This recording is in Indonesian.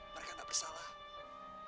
mereka tak bersalah